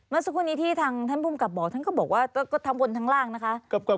เมื่อสักครู่นี้ที่ทางท่านภูมิกับบอกท่านก็บอกว่าก็ทั้งบนทั้งล่างนะคะ